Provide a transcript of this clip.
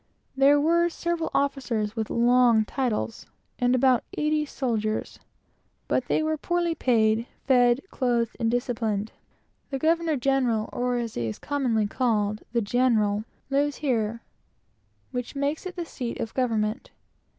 There were several officers with long titles, and about eighty soldiers, but they were poorly paid, fed, clothed, and disciplined. The governor general, or, as he is commonly called, the "general," lives here; which makes it the seat of government.